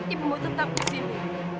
ibu mau tetap disini